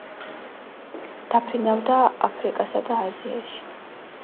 დაფრინავდა აფრიკასა და აზიაში.